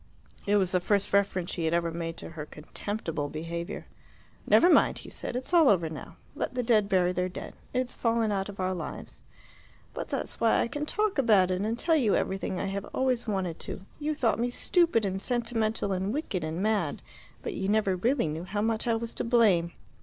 It was the first reference she had ever made to her contemptible behaviour. "Never mind," he said. "It's all over now. Let the dead bury their dead. It's fallen out of our lives." "But that's why I can talk about it and tell you everything I have always wanted to. You thought me stupid and sentimental and wicked and mad, but you never really knew how much I was to blame."